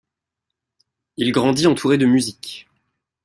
Il grandit entouré de musique.